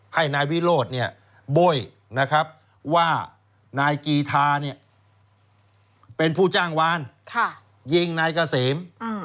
ให้นายวิโรธบ่อยว่านายกีธาเป็นผู้จ้างวานยิงนายเกษม